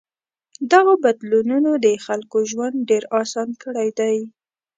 دغو بدلونونو د خلکو ژوند ډېر آسان کړی دی.